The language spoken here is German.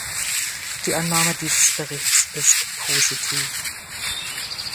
Die Annahme dieses Berichts ist positiv.